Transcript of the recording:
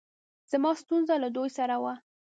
زما ستونره له دوی سره وه